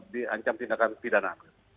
di ancam tindakan pidana